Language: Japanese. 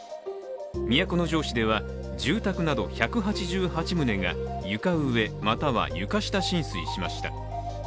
都城市では住宅など１８８棟が床上、または床下浸水しました。